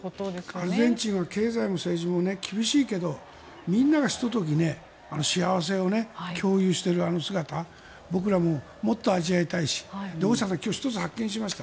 アルゼンチンは経済も政治も厳しいけどみんなが、ひと時幸せを共有しているあの姿僕らももっと味わいたいし大下さん今日１つ発見しました。